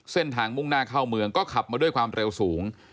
เส้นทางมุ่งหน้าเข้าเมืองก็ขับมาด้วยความเร็วสูง